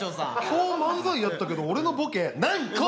今日漫才やったけど俺のボケ何個？